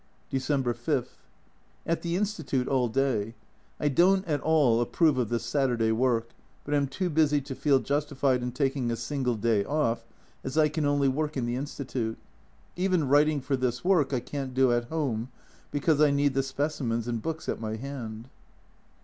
December 5. At the Institute all day. I don't at all approve of this Saturday work, but am too busy to feel justified in taking a single day off, as I can only work in the Institute ; even writing for this work I can't do at home, because I need the specimens and books at my hand.